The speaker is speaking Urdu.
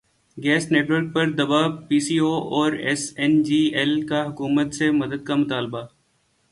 گیس نیٹ ورک پر دبا پی ایس او اور ایس این جی ایل کا حکومت سے مدد کا مطالبہ